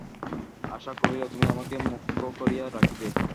আশা কহিল, তুমি আমাকে মূর্খ করিয়া রাখিবে?